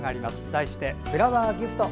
題して「フラワーギフト」。